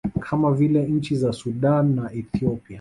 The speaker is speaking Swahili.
kama vile nchi za Sudan na Ethiopia